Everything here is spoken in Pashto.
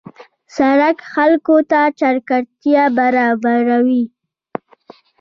سړک خلکو ته چټکتیا برابروي.